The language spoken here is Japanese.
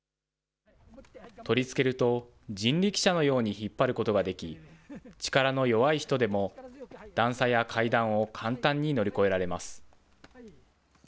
取り付けると、人力車のように引っ張ることができ、力の弱い人でも段差や階段を簡単に乗り越えられます。